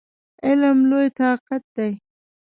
علم لوی طاقت دی!